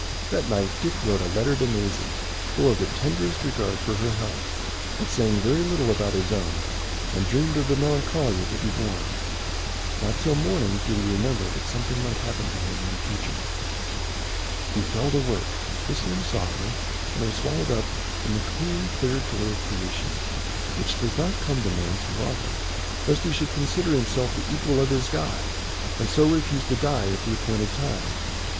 That night Dick wrote a letter to Maisie full of the tenderest regard for her health, but saying very little about his own, and dreamed of the Melancolia to be born. Not till morning did he remember that something might happen to him in the future. He fell to work, whistling softly, and was swallowed up in the clean, clear joy of creation, which does not come to man too often, lest he should consider himself the equal of his God, and so refuse to die at the appointed time.